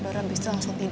abis itu langsung tidur